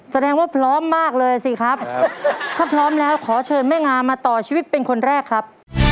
แสดงว่าพร้อมมากเลยสิครับถ้าพร้อมแล้วขอเชิญแม่งามมาต่อชีวิตเป็นคนแรกครับ